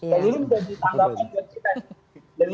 dan ini tanggapan buat kita